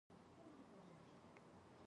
د فارسیانو سره له اتفاق پرته بله لاره نشته.